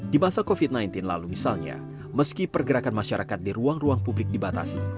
di masa covid sembilan belas lalu misalnya meski pergerakan masyarakat di ruang ruang publik dibatasi